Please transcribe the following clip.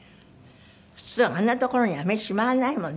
普通あんな所に飴しまわないもんね